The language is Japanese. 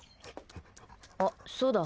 あ、そうだ。